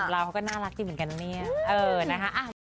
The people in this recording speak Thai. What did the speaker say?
เราก็น่ารักจริงเหมือนกันนี่เออนะครับ